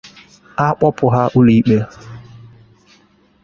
a kpụpụ ha ụlọikpe.